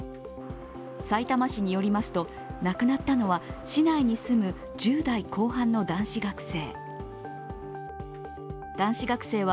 さいたま市によりますと、亡くなったのは市内に住む１０代後半の男子学生。